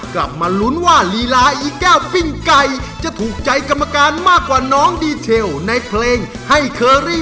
คะแนนของน้องมาปลางคือ